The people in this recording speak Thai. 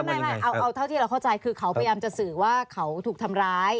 ไม่เอาเท่าที่เราเข้าใจคือเขาพยายามจะสื่อว่าเขาถูกทำร้าย